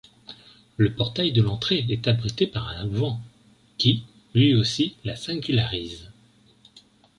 Le portail de l’entrée est abrité par un auvent, qui, lui aussi la singularise.